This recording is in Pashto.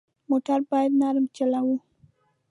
موټر باید نرم چلوه.